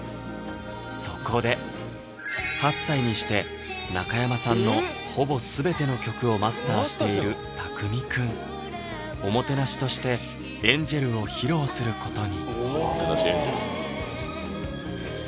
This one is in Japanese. そこで８歳にして中山さんのほぼ全ての曲をマスターしているタクミくんおもてなしとして「Ａｎｇｅｌ」を披露することにおもてなし「Ａｎｇｅｌ」